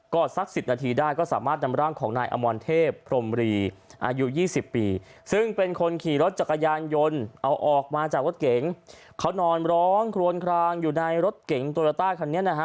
ก็สัก๑๐นาทีได้ก็สามารถนำร่างของนายอมวลเทพพรมรี